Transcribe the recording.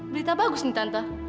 berita bagus nih tante